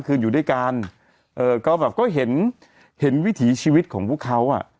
ก็เห็นวิถีชีวิตของพวกเขา